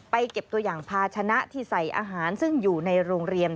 เก็บตัวอย่างภาชนะที่ใส่อาหารซึ่งอยู่ในโรงเรียน